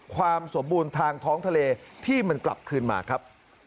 ความสมบูรณ์ทางท้องทะเลที่มันกลับคืนมาครับ